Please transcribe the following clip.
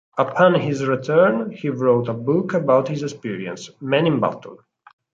Upon his return, he wrote a book about his experiences, "Men in Battle".